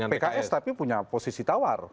pks tapi punya posisi tawar